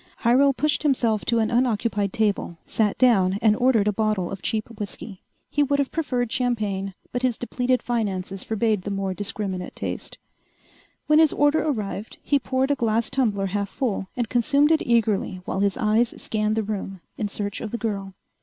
Hyrel pushed himself to an unoccupied table, sat down and ordered a bottle of cheap whiskey. He would have preferred champagne, but his depleted finances forbade the more discriminate taste. When his order arrived, he poured a glass tumbler half full and consumed it eagerly while his eyes scanned the room in search of the girl.